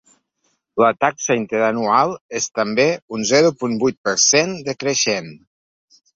La taxa interanual és també un zero punt vuit per cent decreixent.